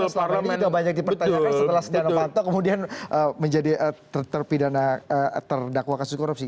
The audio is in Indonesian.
jadi juga banyak dipertanyakan setelah setian lepanto kemudian menjadi terdakwa kasus korupsi